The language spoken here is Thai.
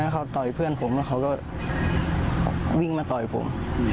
เขาต่อยเพื่อนผมแล้วเขาก็วิ่งมาต่อยผม